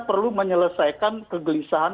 perlu menyelesaikan kegelisahan